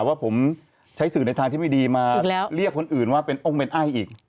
ว่าผมใช้สื่อในทางที่ไม่ดีมาเรียกคนอื่นว่าเป็นองค์เป็นไอ้อีก